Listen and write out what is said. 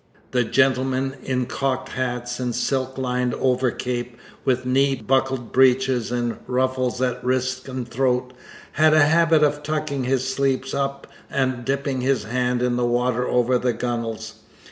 The gentleman in cocked hat and silk lined overcape, with knee buckled breeches and ruffles at wrist and throat, had a habit of tucking his sleeves up and dipping his hand in the water over the gunnels.